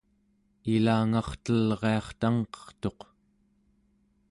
ilangartelriartangqertuq